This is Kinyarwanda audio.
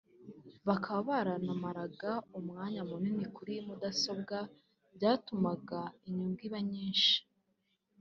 bakaba baranamaraga umwanya munini kuri mudasobwa byatumaga inyungu iba nyinshi